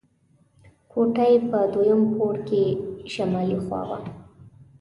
کوټه یې په دویم پوړ کې شمالي خوا وه.